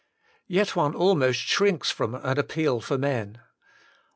Yet one almost shrinks from an appeal for men.